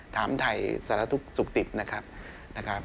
ถามไทยสารทุกข์สุขติดนะครับ